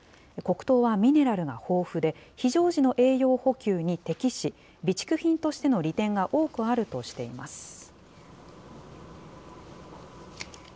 黒糖はミネラルが豊富で、非常時の栄養補給に適し、備蓄品としての利点が多くあるとしています。